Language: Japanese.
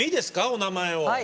お名前を。